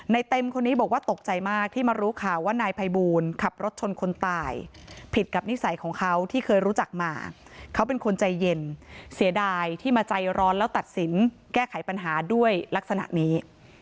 เต็มคนนี้บอกว่าตกใจมากที่มารู้ข่าวว่านายภัยบูลขับรถชนคนตายผิดกับนิสัยของเขาที่เคยรู้จักมาเขาเป็นคนใจเย็นเสียดายที่มาใจร้อนแล้วตัดสินแก้ไขปัญหาด้วยลักษณะนี้